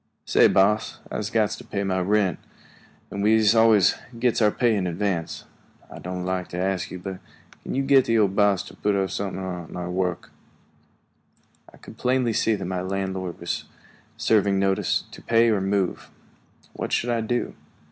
"Say, boss, I'se got to pay my rent, and we'se always gits our pay in advance. I doan' like to ask you, but can't you git the old boss to put up somethin' on your work?" I could plainly see that my landlord was serving notice to pay or move. What should I do?